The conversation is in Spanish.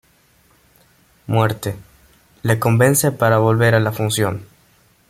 Muerte, le convence para volver a la función.